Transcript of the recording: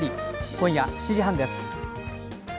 今夜７時半です。